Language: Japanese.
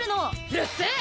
るっせえ！